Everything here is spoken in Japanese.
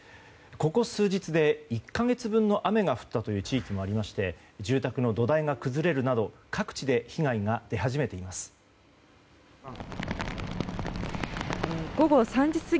ここ数日で１か月分の雨が降ったという地域もありまして住宅の土台が崩れるなど各地で被害が出始めています。